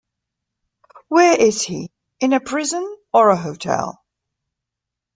Where is he: in a prison or a hotel?